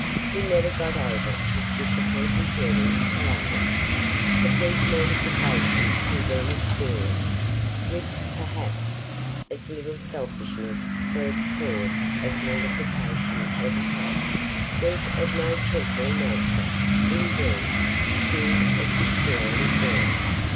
He never got over his disappointing journey to London. The deep mortification he then experienced (with, perhaps, as little selfishness for its cause as mortification ever had) was of no temporary nature; indeed, few of his feelings were.